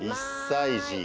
１歳児。